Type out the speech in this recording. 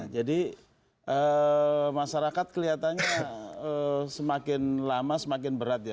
jadi masyarakat kelihatannya semakin lama semakin berat ya